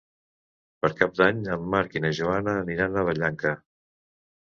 Per Cap d'Any en Marc i na Joana aniran a Vallanca.